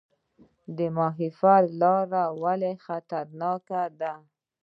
د ماهیپر لاره ولې خطرناکه ده؟